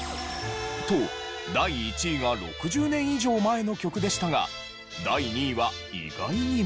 と第１位は６０年以上前の曲でしたが第２位は意外にも。